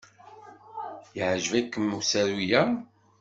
Yeɛjeb-ikem usaru-a?